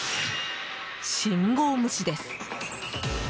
信号無視です。